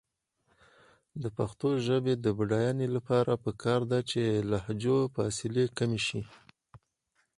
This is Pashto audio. د پښتو ژبې د بډاینې لپاره پکار ده چې لهجو فاصلې کمې شي.